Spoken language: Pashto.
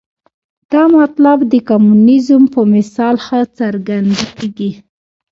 دا مطلب د کمونیزم په مثال ښه څرګندېږي.